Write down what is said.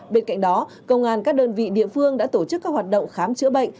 bên cạnh đó công an các đơn vị địa phương đã tổ chức các hoạt động khám chữa bệnh